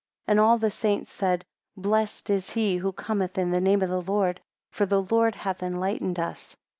17 And all the saints said, Blessed is he who cometh in the name of the Lord; for the Lord hath enlightened us.